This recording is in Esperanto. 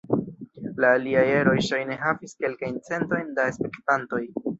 La aliaj eroj ŝajne havis kelkajn centojn da spektantoj.